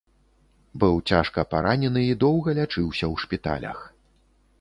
Быў цяжка паранены і доўга лячыўся ў шпіталях.